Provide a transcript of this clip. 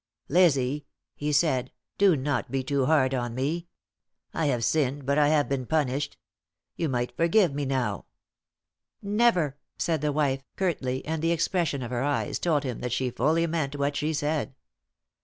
"Lizzie," he said, "do not be too hard on me. I have sinned, but I have been punished. You might forgive me now." "Never!" said the wife, curtly, and the expression of her eyes told him that she fully meant what she said.